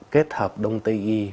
kết hợp đông tây y